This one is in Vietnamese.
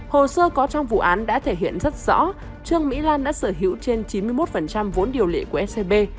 hồ sơ có trong vụ án đã thể hiện rất rõ trương mỹ lan đã sở hữu trên chín mươi một vốn điều lệ của scb